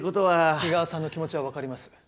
滝川さんの気持ちはわかります。